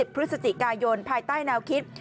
พฤศจิกายนภายใต้แนวคิด